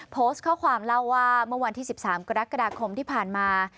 โพสต์ข้อความเล่าว่าเมื่อวันที่๑๓กรกฎาคมที่ผ่านมา